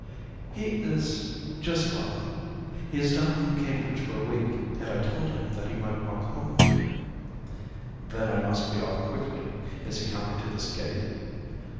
"He is just Robin. He is down from Cambridge for a week, and I told him that he might walk home with me." "Then I must be off quickly. Is he coming to this gate?"